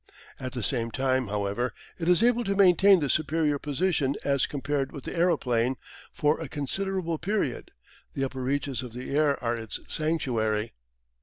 At the same time, however, it is able to maintain the superior position as compared with the aeroplane for a considerable period: the upper reaches of the air are its sanctuary.